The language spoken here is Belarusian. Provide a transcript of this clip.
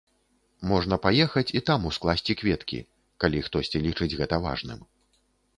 Можна паехаць і там ускласці кветкі, калі хтосьці лічыць гэта важным.